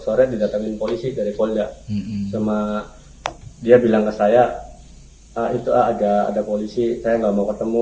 sore didatangin polisi dari polda sama dia bilang ke saya itu agak ada polisi saya nggak mau ketemu